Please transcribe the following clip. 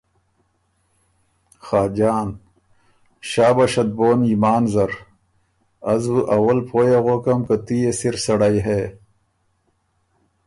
خاجان ـــ ”شاباشت بون یمان زر! از بُو اول پویٛ اغوکم که تُو يې سِر سړئ هې